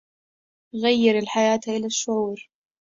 غير الحياة إلى الشعور